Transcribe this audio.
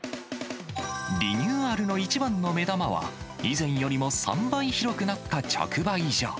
リニューアルの一番の目玉は、以前よりも３倍広くなった直売所。